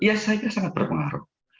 ya saya kira sangat berpengaruh